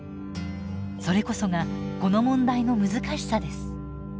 それこそがこの問題の難しさです。